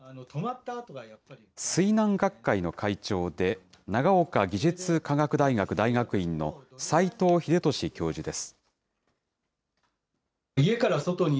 水難学会の会長で、長岡技術科学大学大学院の斎藤秀俊教授です。